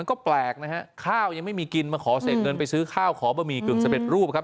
ก็แปลกนะฮะข้าวยังไม่มีกินมาขอเสร็จเงินไปซื้อข้าวขอบะหมี่กึ่งสำเร็จรูปครับ